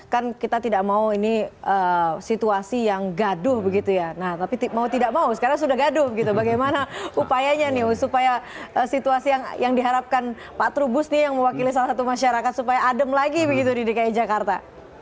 kan kita tidak mau ini situasi yang gaduh begitu ya nah tapi mau tidak mau sekarang sudah gaduh gitu bagaimana upayanya nih supaya situasi yang diharapkan pak trubus nih yang mewakili salah satu masyarakat supaya adem lagi begitu di dki jakarta